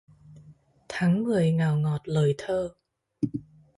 Tháng mười ngào ngọt lời thơ